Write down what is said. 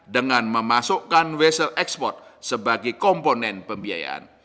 dengan memasukkan wisel ekspor sebagai komponen pembiayaan